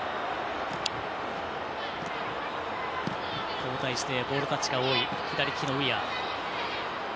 交代してボールタッチが多い左利きのウィア。